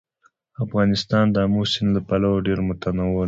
افغانستان د آمو سیند له پلوه ډېر متنوع دی.